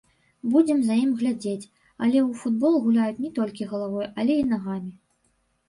Будзем за ім глядзець, але ў футбол гуляюць не толькі галавой, але і нагамі.